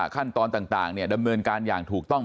ขั้นตอนต่างดำเนินการอย่างถูกต้อง